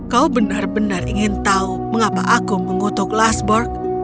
kau benar benar ingin tahu mengapa aku mengutuk lasburg